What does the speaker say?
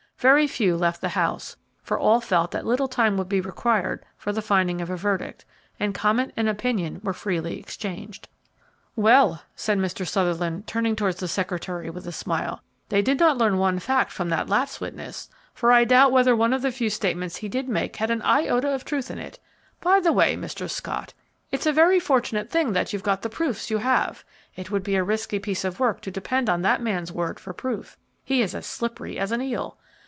Very few left the house, for all felt that little time would be required for the finding of a verdict, and comment and opinion were freely exchanged. "Well," said Mr. Sutherland, turning towards the secretary with a smile, "they did not learn one fact from that last witness, for I doubt whether one of the few statements he did make had an iota of truth in it. By the way, Mr. Scott, it's a very fortunate thing that you've got the proofs you have. It would be a risky piece of work to depend on that man's word for proof; he is as slippery as an eel.